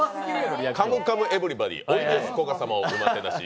「カムカムエヴリバディ」、「おいでやすこが様をうまてなし」